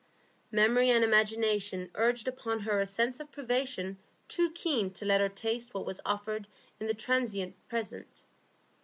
Memory and imagination urged upon her a sense of privation too keen to let her taste what was offered in the transient present.